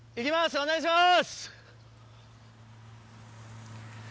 お願いします！